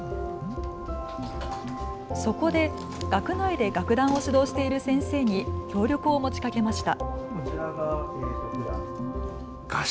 そこで、学内で楽団を指導している先生に協力を持ちかけました。